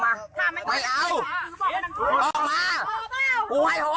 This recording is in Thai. ไม่เอาออกไปต้นว่าไงหนู